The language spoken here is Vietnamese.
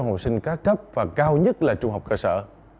học sinh các cấp và cao nhất là trung học cơ sở